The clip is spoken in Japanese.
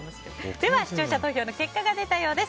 では、視聴者投票の結果が出たようです。